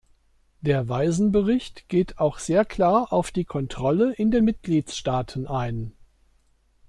Der Weisenbericht geht auch sehr klar auf die Kontrolle in den Mitgliedstaaten ein.